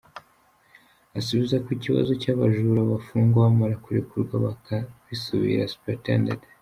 Asubiza ku kibazo cy’abajura bafungwa bamara kurekurwa bakabisubira, Supt.